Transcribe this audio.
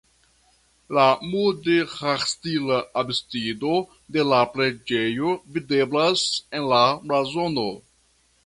La mudeĥarstila absido de la preĝejo videblas en la blazono.